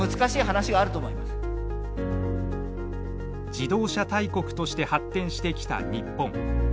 自動車大国として発展してきた日本。